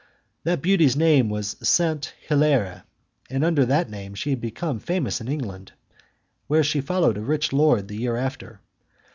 That beauty's name was Saint Hilaire; and under that name she became famous in England, where she followed a rich lord the year after.